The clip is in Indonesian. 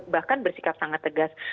bahkan bersikap sangat tegas